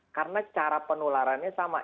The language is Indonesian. karena cara penularannya sama